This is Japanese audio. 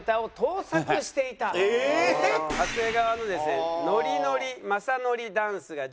長谷川のですね。